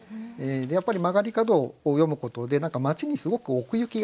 やっぱり曲がり角を詠むことで何か町にすごく奥行きが感じられる。